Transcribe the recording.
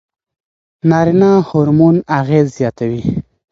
نارینه هورمون اغېز زیاتوي.